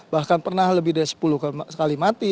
bahkan pernah lebih dari sepuluh kali mati